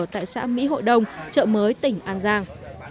tại xã mỹ hội đồng chợ mới tỉnh an giang